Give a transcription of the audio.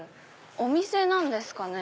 お店なんですかね。